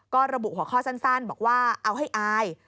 ก็ระบุหัวข้อสั้นบอกว่าเอาให้อาย